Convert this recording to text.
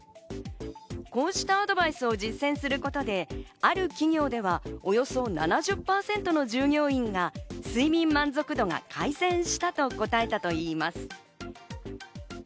こうしたアドバイスを実践することで、ある企業では、およそ７０％の従業員が睡眠満足度が改善したと答えたといいます。